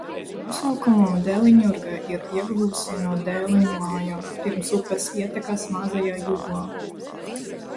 Savu nosaukumu Dēliņurga ir ieguvusi no Dēliņu mājām pirms upes ietakas Mazajā Juglā.